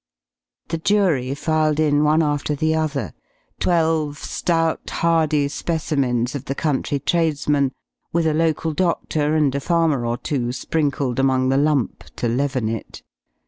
The jury filed in one after the other, twelve stout, hardy specimens of the country tradesman, with a local doctor and a farmer or two sprinkled among the lump to leaven it.